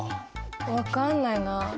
分かんないなあ。